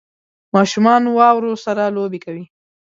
ماشومان واورو سره لوبې کوي